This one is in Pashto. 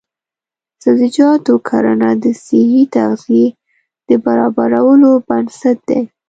د سبزیجاتو کرنه د صحي تغذیې د برابرولو بنسټ دی.